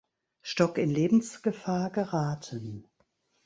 Stock in Lebensgefahr geraten.